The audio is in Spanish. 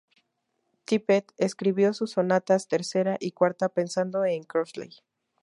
Tippett escribió sus sonatas tercera y cuarta pensando en Crossley.